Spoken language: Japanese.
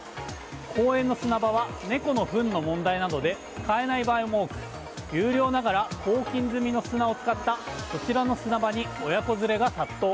公園の砂場は猫のふんの問題などで使えない場合も多く有料ながら抗菌済みの砂を使ったこちらの砂場に親子連れが殺到。